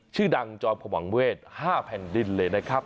ชื่อดังจอมขมังเวศ๕แผ่นดินเลยนะครับ